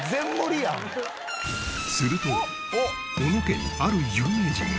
すると小野家にある有名人が。